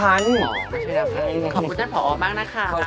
ผักที่ปลูกจริงอร่อยมากครับผักอันนี้อร่อยมากเลยครับ